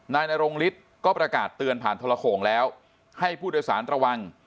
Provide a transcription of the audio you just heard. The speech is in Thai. นายนรงฤทธิ์ก็ประกาศเตือนผ่านทรโขงแล้วให้ผู้โดยสารระวัง